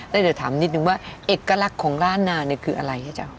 แล้วเดี๋ยวถามนิดหนึ่งว่าเอกลักษณ์ของลาดนาคืออะไรนะเจ้า